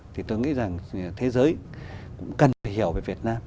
thì tôi nghĩ rằng thế giới cũng cần phải hiểu về việt nam